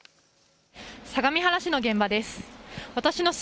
相模原市の現場です。